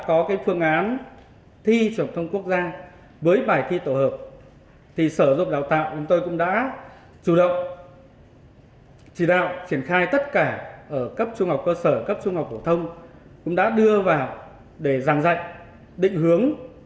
ở cấp trung học cơ sở cấp trung học phổ thông cũng đã đưa vào để giảng dạy định hướng